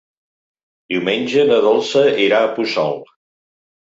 Diumenge na Dolça irà a Puçol.